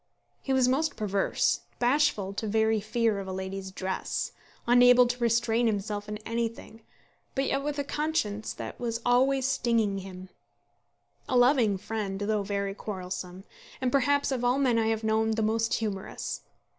He was most perverse; bashful to very fear of a lady's dress; unable to restrain himself in anything, but yet with a conscience that was always stinging him; a loving friend, though very quarrelsome; and, perhaps, of all men I have known, the most humorous.